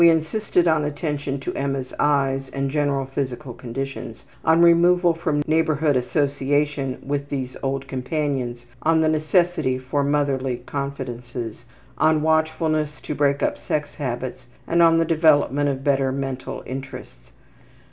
We insisted on attention to Emma's eyes and general physical conditions, on removal from neighborhood association with these old companions, on the necessity for motherly confidences, on watchfulness to break up sex habits, and on the development of better mental interests.